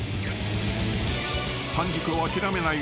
［半熟を諦めない